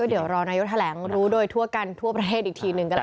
เดี๋ยวรอนายกแถลงรู้โดยทั่วกันทั่วประเทศอีกทีหนึ่งก็แล้ว